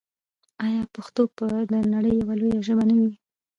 آیا پښتو به د نړۍ یوه لویه ژبه نه وي؟